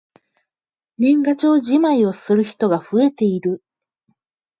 年賀状じまいをする人が増えている。